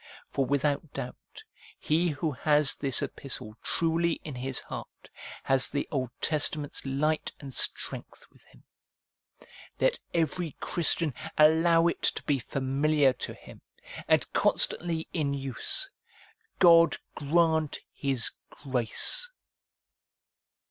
For without doubt, PROLOGUE TO ROMANS 347 he who has this epistle truly in his heart, has the Old Testa ment's light and strength with him. Let every Christian allow it to be familiar to him, and constantly in use. God grant His grace